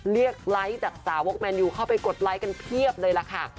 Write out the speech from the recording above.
ไลค์จากสาวกแมนยูเข้าไปกดไลค์กันเพียบเลยล่ะค่ะ